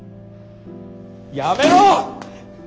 やめろ！